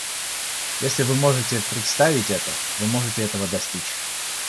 Если вы можете представить это, вы можете этого достичь.